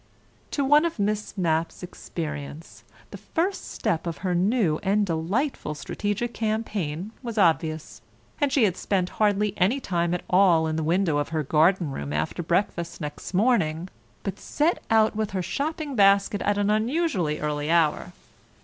To one of Miss Mapp's experience, the first step of her new and delightful strategic campaign was obvious, and she spent hardly any time at all in the window of her garden room after breakfast next morning, but set out with her shopping basket at an unusually early hour.